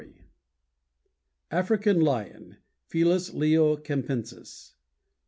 =AFRICAN LION= Felis leo capensis.